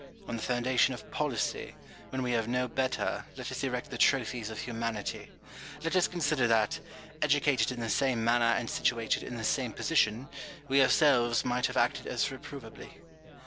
On the foundation of policy, when we have no better, let us erect the trophies of humanity : let us consider that, educated in the same manner and situated in the same position, we ourselves might have acted as reprovably.